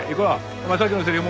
お前さっきのセリフ